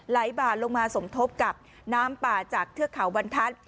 ไหลบ่าลงมาสมทบกับน้ำป่าจากเทือกเขาบรรทัศน์